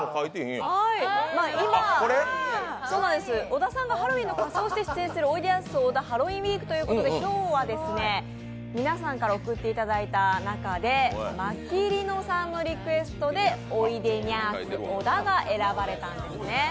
今、小田さんがハロウィーンの格好をして出演するおいでやす小田ハロウィンウィークということで今日は皆さんから送っていただいた中でまきりのさんのリクエストでおいでにゃーす小田が選ばれたんですね。